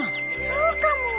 そうかも。